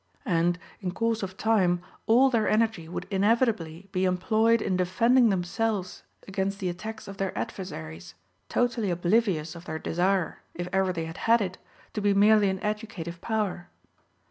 And, in course of time, all their energy would inevitably be employed in defending themselves against the attacks of their adversaries, totally oblivious of their desire, if ever they had had it, to be merely an educative power.